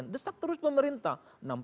desak terus pemerintah